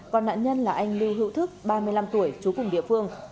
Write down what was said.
còn nạn nhân là anh ly hữu thức ba mươi năm tuổi chú cùng địa phương